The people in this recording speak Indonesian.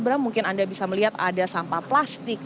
bram mungkin anda bisa melihat ada sampah plastik